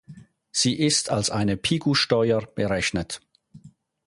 Sie ist als eine Pigou-Steuer berechnet.